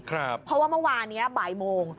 เพราะว่าเมื่อวานนี้บ่ายโมง